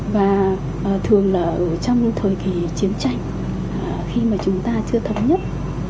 và thường là ở trong thời kỳ chiến tranh khi mà chúng ta chưa thống nhất